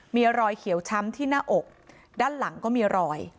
มีรอยเขียวช้ำที่หน้าอกด้านหลังก็มีรอย